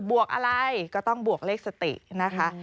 วกอะไรก็ต้องบวกเลขสตินะคะ